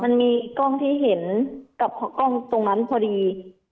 มันมีกล้องที่เห็นกับกล้องตรงนั้นพอดี